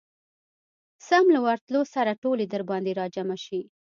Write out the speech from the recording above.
سم له ورتلو سره ټولې درباندي راجمعه شي.